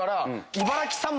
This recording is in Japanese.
茨城さんま。